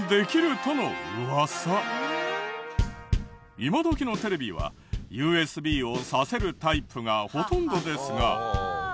今どきのテレビはＵＳＢを挿せるタイプがほとんどですが。